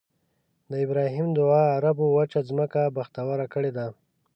د ابراهیم دعا عربو وچه ځمکه بختوره کړې ده.